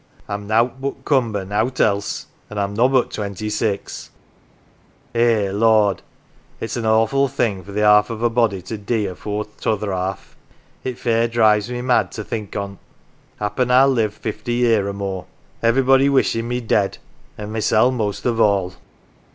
I'm nowt but cumber, nowt else ; an' I'm nobbut twenty six ! Eh, Lord ! It's an awful thing for the half of a body to dee afore th' t'other half. It fair drives me mad to think on't. Happen I'll live fifty year more. Everybody wishing me dead an' mysel' most of all."